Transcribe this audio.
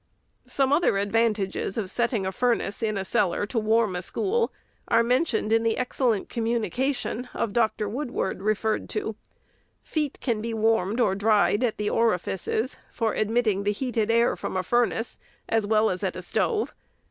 Some other advantages of setting a furnace in a cellar to warm a school are mentioned in the excellent communication of Dr. Woodward, above referred to. Feet can be warmed or dried at the orifices for admitting the heated air from a furnace, as well as at a stove.